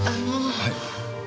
はい？